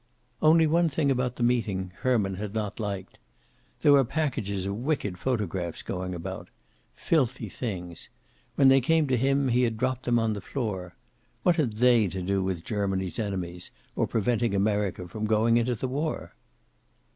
Only one thing about the meeting Herman had not liked. There were packages of wicked photographs going about. Filthy things. When they came to him he had dropped them on the floor. What had they to do with Germany's enemies, or preventing America from going into the war?